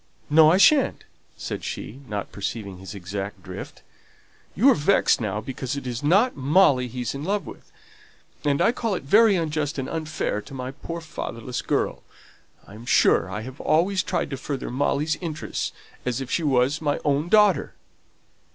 "No, I shan't," said she, not perceiving his exact drift. "You are vexed now because it is not Molly he's in love with; and I call it very unjust and unfair to my poor fatherless girl. I am sure I have always tried to further Molly's interests as if she was my own daughter."